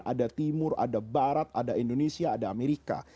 ada timur ada barat ada indonesia ada amerika